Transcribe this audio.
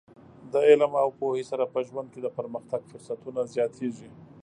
د علم او پوهې سره په ژوند کې د پرمختګ فرصتونه زیاتېږي.